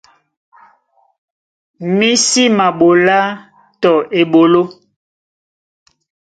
Mí sí maɓolá tɔ eɓoló.